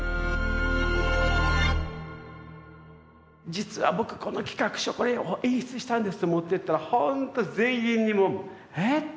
「実は僕この企画書これを演出したんです」って持ってったらほんと全員にもう「えっ？